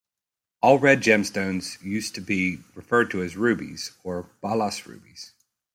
All red gemstones used to be referred to as rubies or "balas rubies".